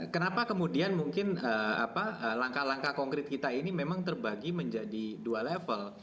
kenapa kemudian mungkin langkah langkah konkret kita ini memang terbagi menjadi dua level